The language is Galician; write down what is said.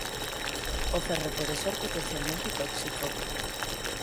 O ferro pode ser potencialmente tóxico.